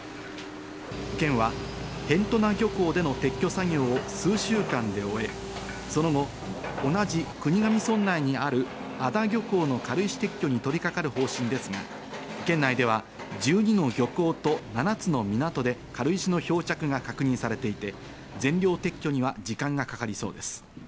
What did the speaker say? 県は辺土名漁港での撤去作業を数週間で終え、その後、同じ国頭村内にある安田漁港の軽石撤去に取りかかる方針ですが、県内では１２の漁港と７つの港で軽石の漂着が確認されていて、全量撤去には時間がかかりそうです。